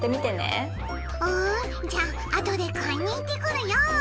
うんじゃああとで買いに行ってくるよ！